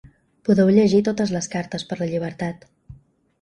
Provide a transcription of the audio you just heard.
Podeu llegir totes les Cartes per la llibertat.